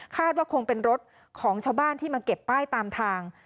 ว่าคงเป็นรถของชาวบ้านที่มาเก็บป้ายตามทาง